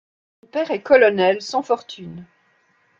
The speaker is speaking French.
Son père est colonel, sans fortune.